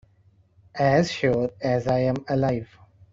As sure as I am alive.